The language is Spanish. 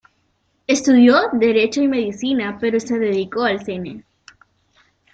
Estudió Derecho y Medicina, pero se dedicó al cine.